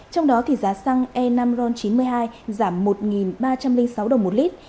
trong đó giá xăng e năm ron chín mươi hai giảm một ba trăm linh sáu đồng một lít